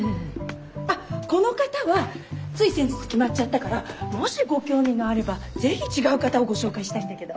あっこの方はつい先日決まっちゃったからもしご興味があればぜひ違う方をご紹介したいんだけど。